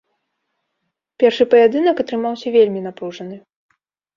Першы паядынак атрымаўся вельмі напружаны.